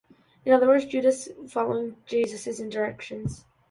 In other words, Judas was following Jesus' instructions.